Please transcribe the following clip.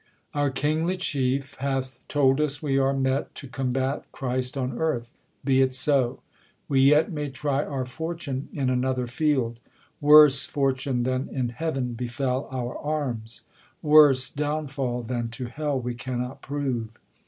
Our kingly chief hath told us we are met To combat Christ on earth. Be't so ! We yet May try our fortune in another field ; Worse fortune than in heav'n befel our arms ; Worse downfall than to hell, we cannot prove.